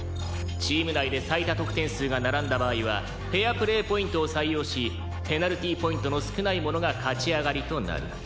チーム内で最多得点数が並んだ場合はフェアプレーポイントを採用しペナルティーポイントの少ない者が勝ち上がりとなる。